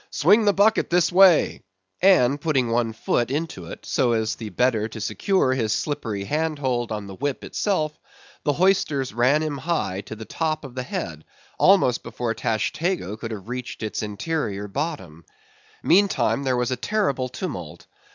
"Swing the bucket this way!" and putting one foot into it, so as the better to secure his slippery hand hold on the whip itself, the hoisters ran him high up to the top of the head, almost before Tashtego could have reached its interior bottom. Meantime, there was a terrible tumult.